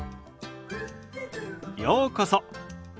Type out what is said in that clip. ようこそ。